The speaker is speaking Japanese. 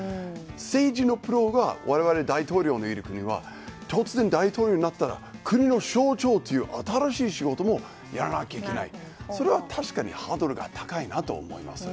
政治のプロが我々、大統領がいる国は突然、大統領になったら国の象徴という新しい仕事もやらなきゃいけないとそれは確かにハードルが高いと思います。